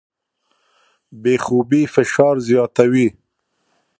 بې خوبۍ فشار زیاتوي.